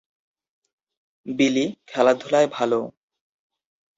বিলি খেলাধুলায় ভালো।